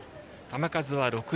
球数は６３。